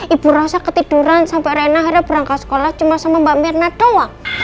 ibu rosa ketiduran sampai reina hari perangka sekolah cuma sama mbak mirna doang